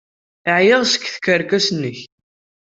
Ɛyiɣ seg tkerkas-nnek!